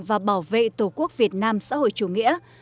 và bảo vệ tổ quốc việt nam xã hội chủ nghĩa